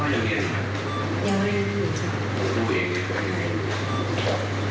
แล้วก็ไม่ขอขอบคุณแม่ให้นะ